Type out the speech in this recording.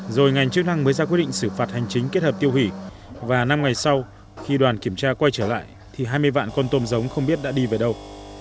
rồi ngành chức năng mới ra quyết định xử phạt hành chính kết hợp tiêu hủy và năm ngày sau khi đoàn kiểm tra quay trở lại thì hai mươi vạn con tôm giống không biết đã đi về đâu